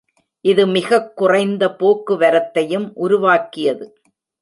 இது மிகக் குறைந்த போக்குவரத்தையும் உருவாக்கியது.